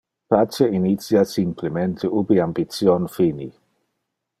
Pace initia simplemente ubi ambition fini.